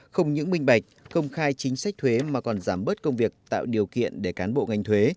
không những minh bạch công khai chính sách thuế mà còn giảm bớt công việc tạo điều kiện để cán bộ ngành thuế